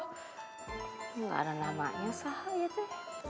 gak ada namanya sahaja